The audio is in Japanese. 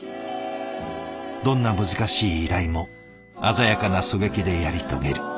どんな難しい依頼も鮮やかな狙撃でやり遂げる。